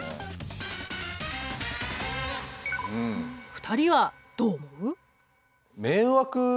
２人はどう思う？